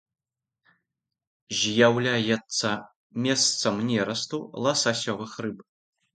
З'яўляецца месцам нерасту ласасёвых рыб.